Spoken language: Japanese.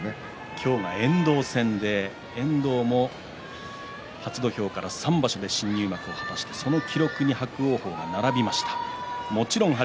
今日の遠藤戦遠藤も初土俵から３場所で新入幕を果たしてその記録に伯桜鵬が並びました。